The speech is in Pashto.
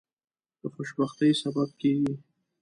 د خوشبختی سبب کیږي.